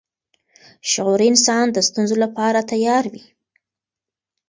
شعوري انسان د ستونزو لپاره تیار وي.